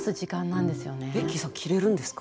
ベッキーさんキレるんですか？